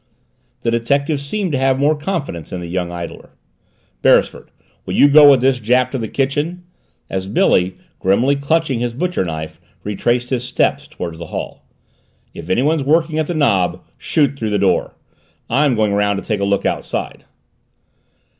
The detective seemed to have more confidence in the young idler. "Beresford, will you go with this Jap to the kitchen?" as Billy, grimly clutching his butcher knife, retraced his steps toward the hall. "If anyone's working at the knob shoot through the door. I'm going round to take a look outside."